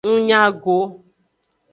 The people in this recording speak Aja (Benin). Ng nya go.